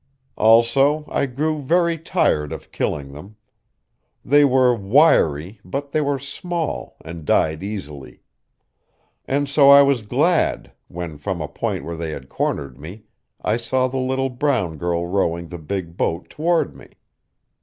Also, I grew very tired of killing them. They were wiry, but they were small, and died easily. So I was glad, when from a point where they had cornered me I saw the little brown girl rowing the big boat toward me.